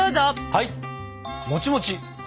はい！